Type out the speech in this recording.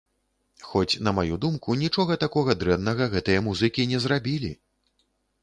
Хоць, на маю думку, нічога такога дрэннага гэтыя музыкі не зрабілі!